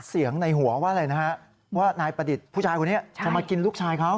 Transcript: ในหัวว่าอะไรนะฮะว่านายประดิษฐ์ผู้ชายคนนี้จะมากินลูกชายเขา